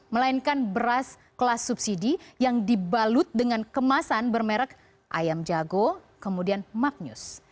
melainkan beras kelas subsidi yang dibalut dengan kemasan bermerek ayam jago kemudian magnus